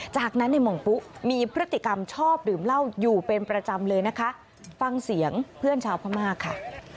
จากนั้นในหม่องปุ๊มีพฤติกรรมชอบดื่มเหล้าอยู่เป็นประจำเลยนะคะฟังเสียงเพื่อนชาวพม่าค่ะ